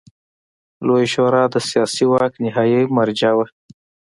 لویه شورا د سیاسي واک نهايي مرجع وه.